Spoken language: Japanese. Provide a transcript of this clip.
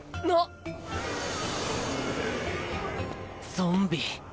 ゾンビ。